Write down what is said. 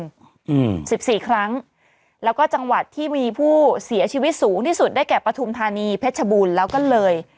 อืมสิบสี่ครั้งแล้วก็จังหวัดที่มีผู้เสียชีวิตสูงที่สุดได้แก่ปฐุมธานีเพชรบูรณ์แล้วก็เลย